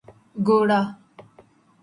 گورا